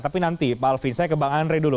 tapi nanti pak alvin saya ke bang andre dulu